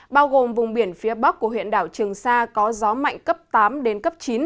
bao gồm vùng biển phía bắc của huyện đảo trường sa có gió mạnh cấp tám đến cấp chín